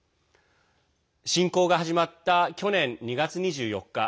侵攻が始まった去年２月２４日